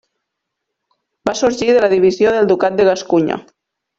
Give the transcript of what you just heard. Va sorgir per divisió del Ducat de Gascunya.